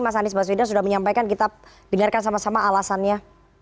mas anies baswedan sudah menyampaikan kita dengarkan sama sama alasannya